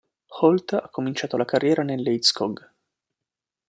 Holt ha cominciato la carriera nell'Eidskog.